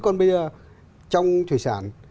còn bây giờ trong thủy sản